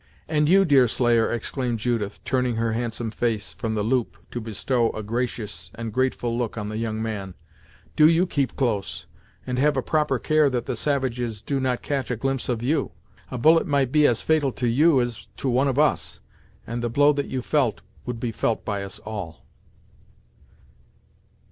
"And you Deerslayer " exclaimed Judith, turning her handsome face from the loop, to bestow a gracious and grateful look on the young man "do you 'keep close', and have a proper care that the savages do not catch a glimpse of you! A bullet might be as fatal to you as to one of us; and the blow that you felt, would be felt by us all."